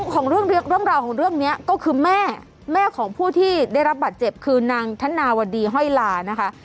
ของเรื่องราวของเรื่องนี้ก็คือแม่แม่ของผู้ที่ได้รับบาดเจ็บคือนางธนาวดีห้อยลานะคะ